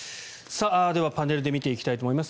パネルで見ていきたいと思います